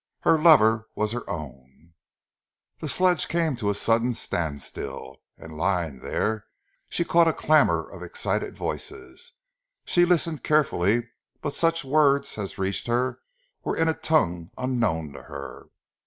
Her lover was her own The sledge came to a sudden standstill; and lying there she caught a clamour of excited voices. She listened carefully, but such words as reached her were in a tongue unknown to her.